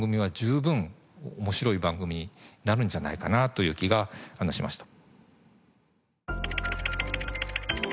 という気がしました。